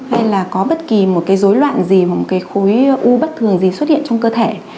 hay là có bất kỳ một cái dối loạn gì hoặc một cái khối u bất thường gì xuất hiện trong cơ thể